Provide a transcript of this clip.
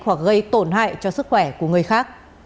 hoặc gây tổn hại cho sức khỏe của người khác